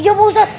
iya pak ustadz